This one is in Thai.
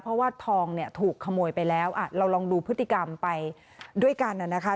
เพราะว่าทองเนี่ยถูกขโมยไปแล้วเราลองดูพฤติกรรมไปด้วยกันนะคะ